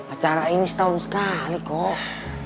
acara ini setahun sekali kok